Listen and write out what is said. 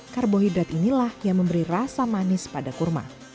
karbohidrat inilah yang memberi rasa manis pada kurma